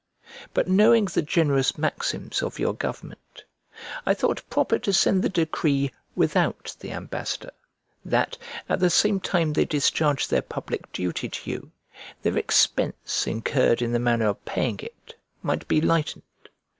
But knowing the generous maxims of your government, I thought proper to send the decree without the ambassador, that, at the same time they discharged their public duty to you, their expense incurred in the manner of paying it might be lightened.